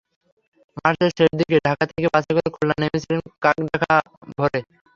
মার্চের শেষ দিনে ঢাকা থেকে বাসে করে খুলনা নেমেছিলাম কাকডাকা ভোরে।